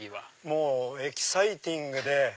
もうエキサイティングで。